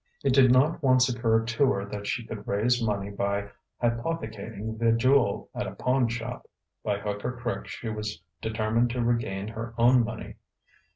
It did not once occur to her that she could raise money by hypothecating the jewel at a pawn shop: by hook or crook she was determined to regain her own money.